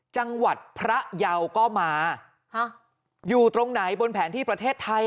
จังหวัดพระเยาก็มาอยู่ตรงไหนบนแผนที่ประเทศไทย